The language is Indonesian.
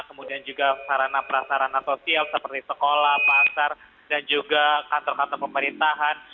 kemudian juga sarana prasarana sosial seperti sekolah pasar dan juga kantor kantor pemerintahan